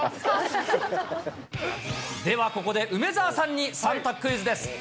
ではここで梅澤さんに３択クイズです。